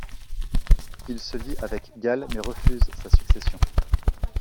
Il se lie avec Gall mais refuse sa succession.